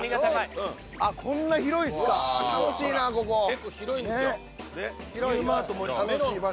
結構広いんですよ。